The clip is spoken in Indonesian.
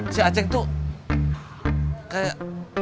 si acing tuh kayak